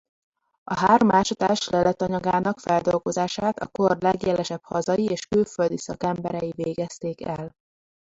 A három ásatás leletanyagának feldolgozását a kor legjelesebb hazai és külföldi szakemberei végezték el.